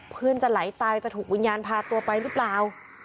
เพื่อนจะไหลตายจะถูกวิญญาณพาตัวไปหรือเปล่า